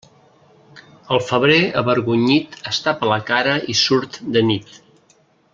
El febrer avergonyit es tapa la cara i surt de nit.